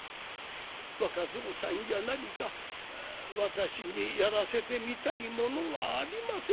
若蔵さんや何か私にやらせてみたいものはありませんかな」。